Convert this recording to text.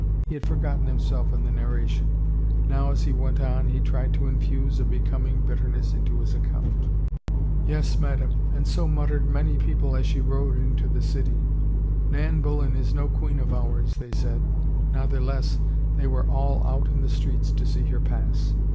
He had forgotten himself in the narration, now as he went on he tried to infuse a be coming bitterness into his account. " Yes, madame, and so muttered many people as she 255 THE FAVOR OF KINGS rode into the city. Nan Bullen is no queen of ours, they said, nathless they were all out in the streets to see her pass.